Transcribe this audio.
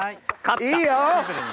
いいよ！